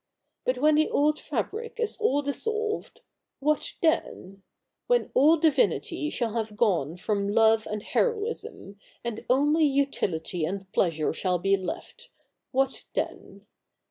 But when the old fabric is all dissolved, what then ? \\'hen all divinity shall have gone from love and heroism, and only utility and pleasure shall be left, what then